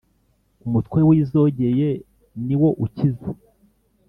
umutwe w’izogeye ni wo ukiza